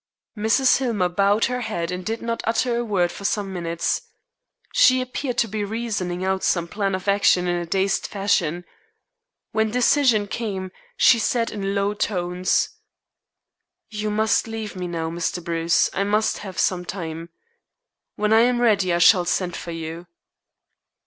Mrs. Hillmer bowed her head and did not utter a word for some minutes. She appeared to be reasoning out some plan of action in a dazed fashion. When decision came she said in low tones: "You must leave me now, Mr. Bruce. I must have time. When I am ready I shall send for you."